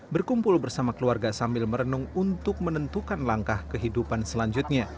berkumpul bersama keluarga sambil merenung untuk menentukan langkah kehidupan selanjutnya